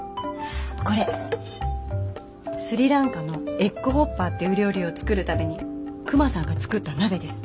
これスリランカのエッグホッパーっていう料理を作るためにクマさんが作った鍋です。